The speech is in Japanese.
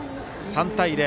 ３対０。